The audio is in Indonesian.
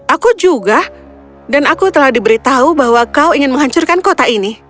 aku juga dan aku telah diberitahu bahwa kau ingin menghancurkan kota ini